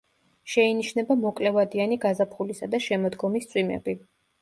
შეინიშნება მოკლევადიანი გაზაფხულისა და შემოდგომის წვიმები.